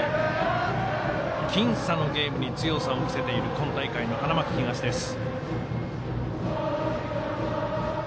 僅差のゲームに強さを見せている今大会の花巻東です。